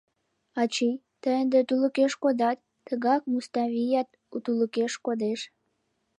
Ачий, тый ынде тулыкеш кодат, тыгак Муставият тулыкеш кодеш.